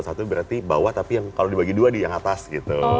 kalau satu atau satu berarti bawah tapi kalau dibagi dua yang atas gitu